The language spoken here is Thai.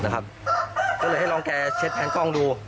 ก็เลยให้ลองแกเช็ดแนนกล้องดู